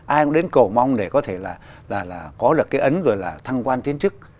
ai cũng đến cổ mong để có thể là có được cái ấn rồi là thăng quan tiến trức